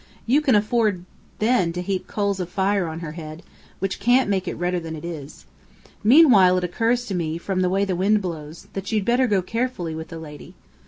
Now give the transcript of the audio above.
"You can afford then to heap coals of fire on her head, which can't make it redder than it is. Meanwhile, it occurs to me, from the way the wind blows, you'd better go carefully with the lady!